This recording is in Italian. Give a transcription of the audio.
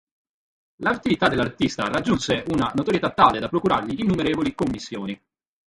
L'attività dell'artista raggiunse una notorietà tale da procurargli innumerevoli commissioni.